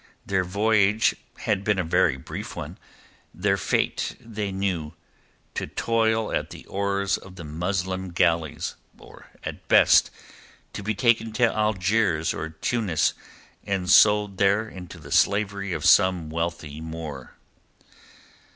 Their voyage had been a very brief one; their fate they knew—to toil at the oars of the Muslim galleys, or at best, to be taken to Algiers or Tunis and sold there into the slavery of some wealthy Moor.